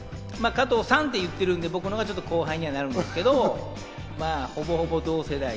加藤さんて言ってるんで僕のほうが少し下にはなるんですけど、ほぼほぼ同世代。